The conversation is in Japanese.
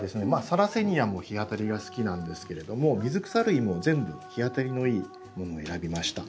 サラセニアも日当たりが好きなんですけれども水草類も全部日当たりのいいものを選びました。